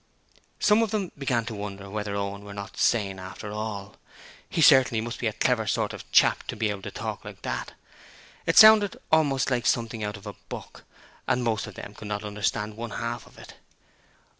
Some of them began to wonder whether Owen was not sane after all. He certainly must be a clever sort of chap to be able to talk like this. It sounded almost like something out of a book, and most of them could not understand one half of it.